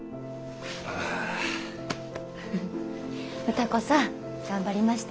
歌子さん頑張りましたね。